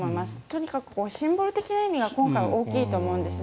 とにかくシンボル的な意味が今回大きいと思うんです。